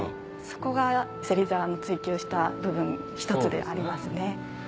そこが芹沢の追求した部分の一つでありますね。